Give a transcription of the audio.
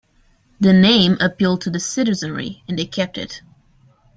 The name appealed to the citizenry and they kept it.